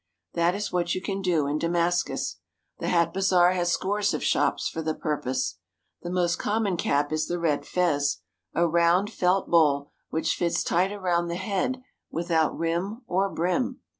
That is what you can do in Damascus. The hat bazaar has scores of shops for the purpose. The most common cap is the red fez, a round felt bowl which fits tight around the head without rim or brim.